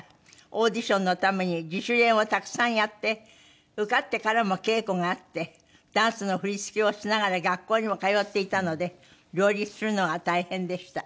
オーディションのために自主練をたくさんやって受かってからも稽古があってダンスの振り付けをしながら学校にも通っていたので両立するのが大変でした」